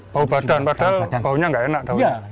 bau badan padahal baunya nggak enak daunnya